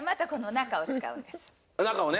中をね。